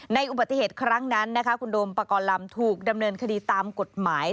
อุบัติเหตุครั้งนั้นนะคะคุณโดมปากรลำถูกดำเนินคดีตามกฎหมาย